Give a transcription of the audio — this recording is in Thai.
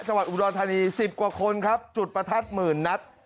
จังหวัดอุดรธานี๑๐กว่าคนครับจุดประทัดหมื่นนัด